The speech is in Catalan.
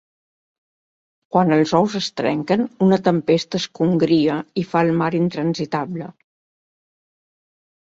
Quan els ous es trenquen una tempesta es congria i fa el mar intransitable.